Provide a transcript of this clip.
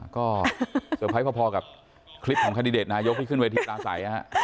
ก็เตอร์ไพรส์พอกับคลิปของคันดิเดตนายกที่ขึ้นเวทีปลาใส